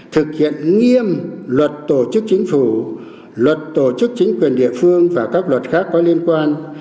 thực hiện nghiêm luật tổ chức chính phủ luật tổ chức chính quyền địa phương và các luật khác có liên quan